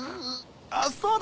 あっそうだ！